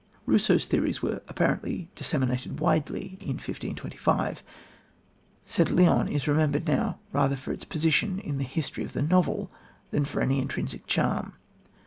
Rousseau's theories were apparently disseminated widely in 1525. St. Leon is remembered now rather for its position in the history of the novel than for any intrinsic charm.